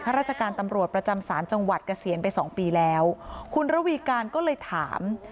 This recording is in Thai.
ราชการตำรวจประจำศาลจังหวัดเกษียณไปสองปีแล้วคุณระวีการก็เลยถาม